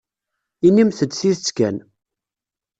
Inimt-d tidet kan.